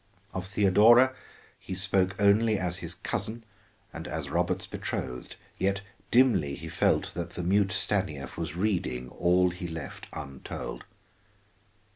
Of Theodora he spoke only as his cousin and as Robert's betrothed; yet dimly he felt that the mute Stanief was reading all he left untold.